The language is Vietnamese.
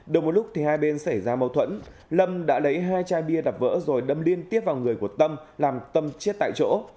đồng một lúc hai bên xảy ra mâu thuẫn lâm đã lấy hai chai bia đập vỡ rồi đâm liên tiếp vào người của tâm làm tâm chết tại chỗ